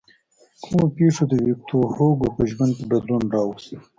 کومو پېښو د ویکتور هوګو په ژوند کې بدلون راوست.